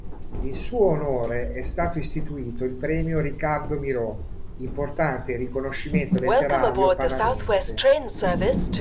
In suo onore è stato istituito il premio "Ricardo Miró", importante riconoscimento letterario panamense.